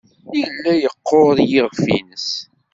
Yella yeqqur yiɣef-nnes.